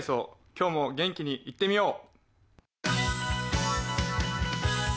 今日も元気にいってみよう。